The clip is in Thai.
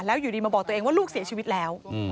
แล้วอยู่ดีมาบอกตัวเองว่าลูกเสียชีวิตแล้ว